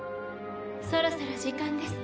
そろそろ時間です。